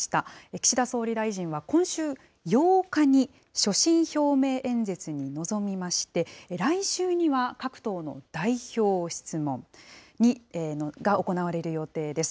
岸田総理大臣は今週８日に所信表明演説に臨みまして、来週には各党の代表質問が行われる予定です。